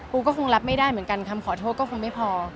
ก็คงรับไม่ได้เหมือนกันคำขอโทษก็คงไม่พอ